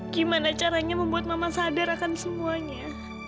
gimana caranya membuat mama sadarkan semuanya